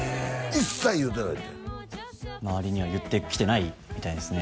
一切言うてないって周りには言ってきてないみたいですね